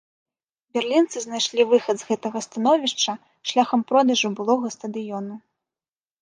Берлінцы знайшлі выхад з гэтага становішча шляхам продажу былога стадыёну.